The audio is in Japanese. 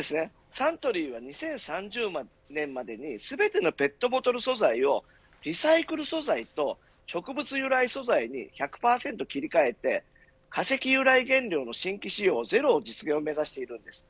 サントリーは２０３０年までに全てのペットボトル素材をリサイクル素材と植物由来素材に１００％切り替えて化石由来原料の新規使用ゼロの実現を目指しているんです。